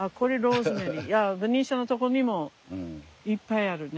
ベニシアのとこにもいっぱいあるね。